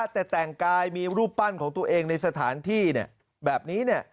แต่แต่งกายมีรูปปั้นของตัวเองในสถานที่แบบนี้